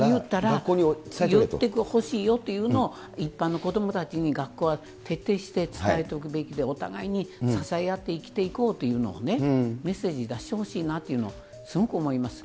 学校に言ってほしいよというのを、一般の子どもたちに学校は徹底して伝えておくべきで、お互いに支え合って生きていこうというのをね、メッセージ出してほしいなとすごく思います。